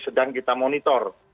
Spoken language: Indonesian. sedang kita monitor